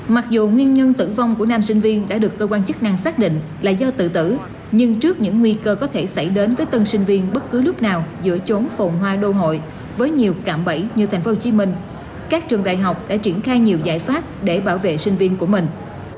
mặc dù nguyên nhân tử vong của nam sinh viên đã được cơ quan chức năng xác định là do tự tử nhưng trước những nguy cơ có thể xảy đến với tân sinh viên bất cứ lúc nào giữa chốn phồn hoa đô hội với nhiều cạm bẫy như tp hcm các trường đại học đã triển khai nhiều giải pháp để bảo vệ sinh viên của mình